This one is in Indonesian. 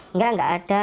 enggak gak ada